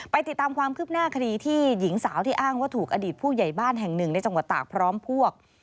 ติดตามความคืบหน้าคดีที่หญิงสาวที่อ้างว่าถูกอดีตผู้ใหญ่บ้านแห่งหนึ่งในจังหวัดตากพร้อมพวก